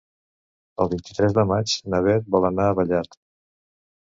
El vint-i-tres de maig na Beth vol anar a Vallat.